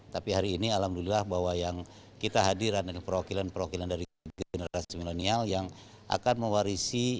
tapi hari ini alhamdulillah bahwa yang kita hadiran dan perwakilan perwakilan dari generasi milenial yang akan mewarisi